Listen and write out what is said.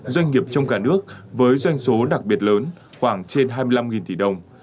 doanh nghiệp trong cả nước với doanh số đặc biệt lớn khoảng trên hai mươi năm tỷ đồng